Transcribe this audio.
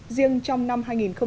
riêng trong năm hai nghìn một mươi bảy